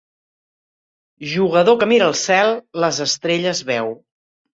Jugador que mira el cel, les estrelles veu.